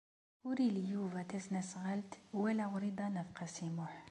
Ur ili Yuba tasnasɣalt wala Wrida n At Qasi Muḥ.